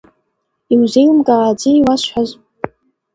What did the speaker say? Иузеилымкааӡеи иуасҳәаз?